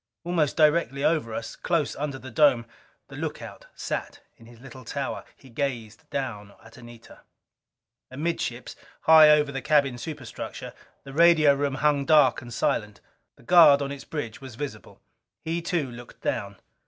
Almost directly over us, close under the dome, the lookout sat in his little tower. He gazed down at Anita. Amidships, high over the cabin superstructure, the radio room hung dark and silent. The guard on its bridge was visible. He too, looked down.